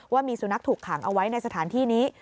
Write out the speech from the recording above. ว่ามีสุนัขถูกขังเอาไว้ในสถานที่นี้